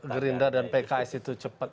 gerindra dan pks itu cepat